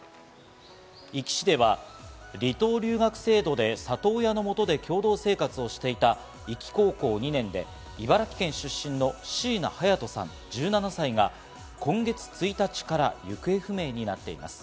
壱岐市では離島留学制度で里親の元で共同生活をしていた壱岐高校２年で、茨城県出身の椎名隼都さん、１７歳が今月１日から行方不明になっています。